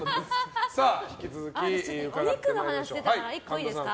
お肉の話が出たからいいですか。